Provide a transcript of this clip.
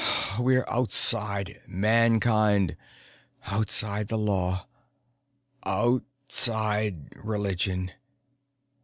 We're outside Mankind, outside the law, outside religion.